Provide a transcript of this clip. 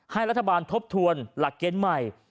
ให้รัฐบาลทบทวนหลักเกณฑ์ใหม่